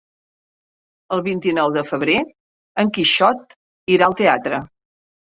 El vint-i-nou de febrer en Quixot irà al teatre.